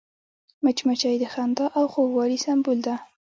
مچمچۍ د خندا او خوږوالي سمبول ده